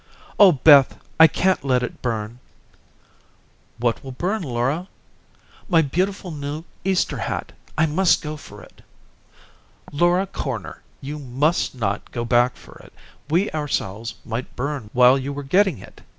"Oh, Beth, I can't let it burn." "What will burn, Laura?" "My beautiful new Easter hat. I must go for it." "Laura Corner, you must not go back for it. We ourselves might burn while you were getting it."